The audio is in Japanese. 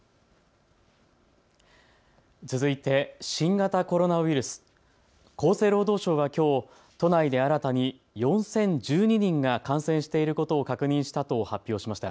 続いて新型コロナウイルス、厚生労働省はきょう都内で新たに４０１２人が感染していることを確認したと発表しました。